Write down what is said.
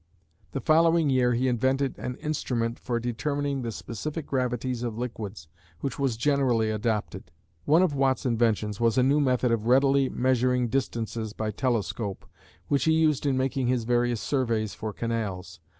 The following year he invented an instrument for determining the specific gravities of liquids, which was generally adopted. One of Watt's inventions was a new method of readily measuring distances by telescope, which he used in making his various surveys for canals.